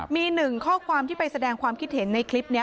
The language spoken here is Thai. มีหนึ่งข้อความที่ไปแสดงความคิดเห็นในคลิปนี้